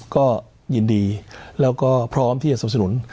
ก็ยินดีแล้วก็พร้อมที่จะสนุน